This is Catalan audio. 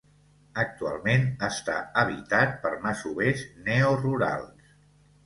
Actualment està habitat per masovers neorurals.